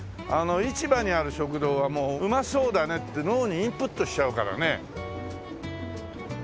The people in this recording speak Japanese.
市場にある食堂はもううまそうだねって脳にインプットしちゃうからね。